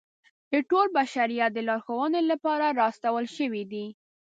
د ټول بشریت د لارښودنې لپاره را استول شوی دی.